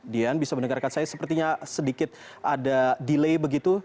dian bisa mendengarkan saya sepertinya sedikit ada delay begitu